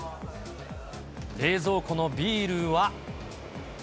冷蔵庫のビールは。